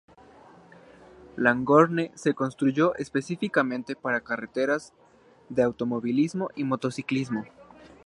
Langhorne se construyó específicamente para carreras de automovilismo y motociclismo.